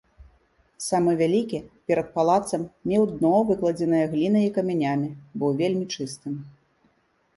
Самы вялікі, перад палацам, меў дно, выкладзенае глінай і камянямі, быў вельмі чыстым.